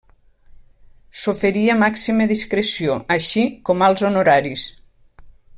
S’oferia màxima discreció, així com alts honoraris.